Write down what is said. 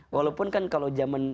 walaupun kan kalau zaman